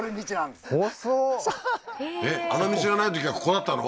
えっあの道がないときはここだったの？